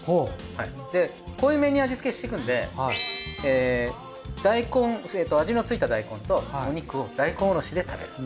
で濃いめに味付けしていくんで味の付いた大根とお肉を大根おろしで食べると。